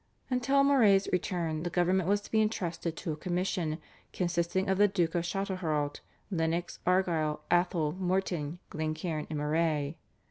Until Moray's return the government was to be entrusted to a commission consisting of the Duke of Châtelherault, Lennox, Argyll, Atholl, Morton, Glencairn and Moray.